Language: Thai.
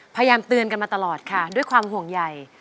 พยายามเตือนกันมาตลอดค่ะด้วยความห่วงใหญ่